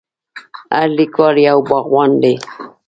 هر لیکوال یو باغوان دی.